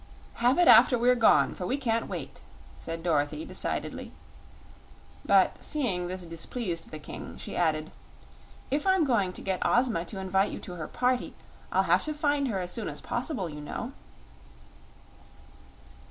"Have it after we're gone, for we can't wait," said Dorothy, decidedly. But seeing this displeased the King, she added: "If I'm going to get Ozma to invite you to her party I'll have to find her as soon as poss'ble, you know."